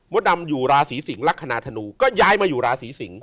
ดำอยู่ราศีสิงศ์ลักษณะธนูก็ย้ายมาอยู่ราศีสิงศ